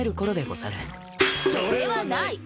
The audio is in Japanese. それはない！